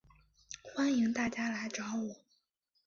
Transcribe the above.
欢迎大家来找我